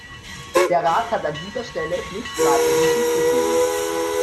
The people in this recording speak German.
Der Rat hat an dieser Stelle nichts weiter hinzuzufügen.